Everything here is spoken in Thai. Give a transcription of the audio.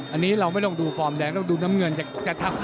อันนี้เราไม่ต้องดูฟอร์มแดงต้องดูน้ำเงินจะทำ